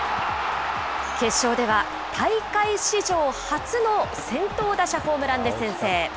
決勝では、大会史上初の先頭打者ホームランで先制。